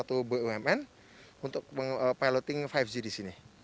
untuk piloting lima g di sini